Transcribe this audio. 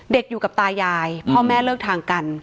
อยู่กับตายายพ่อแม่เลิกทางกัน